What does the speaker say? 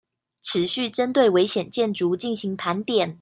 持續針對危險建築進行盤點